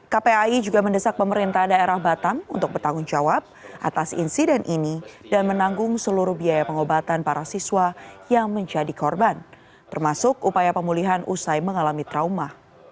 kpai juga mendesak pemerintah daerah batam untuk bertanggung jawab atas insiden ini dan menanggung seluruh biaya pengobatan para siswa yang menjadi korban termasuk upaya pemulihan usai mengalami trauma